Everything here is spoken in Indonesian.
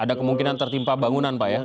ada kemungkinan tertimpa bangunan pak ya